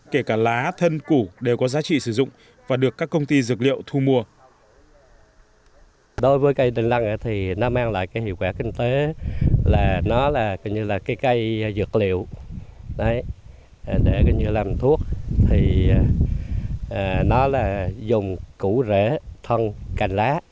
kể cả lá thân củ đều có giá trị sử dụng và được các công ty dược liệu thu mua